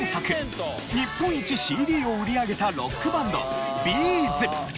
日本一ＣＤを売り上げたロックバンドＢ’ｚ。